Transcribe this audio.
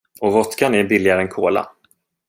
Och vodkan är billigare än cola.